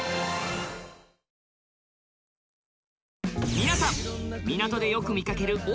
皆さん！